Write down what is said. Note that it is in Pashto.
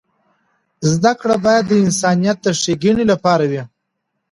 زده کړه باید د انسانیت د ښیګڼې لپاره وي.